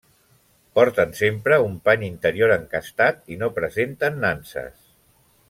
Porten sempre un pany interior encastat i no presenten nanses.